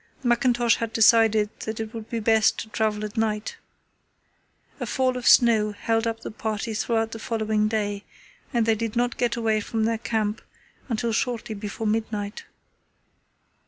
Mackintosh had decided that it would be best to travel at night. A fall of snow held up the party throughout the following day, and they did not get away from their camp until shortly before midnight.